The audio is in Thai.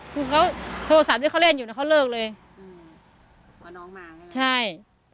คือเขาโทรศัพท์ที่เขาเล่นอยู่นะเขาเลิกเลยอืมว่าน้องมาใช่ไหมใช่